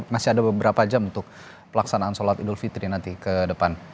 masih ada beberapa jam untuk pelaksanaan sholat idul fitri nanti ke depan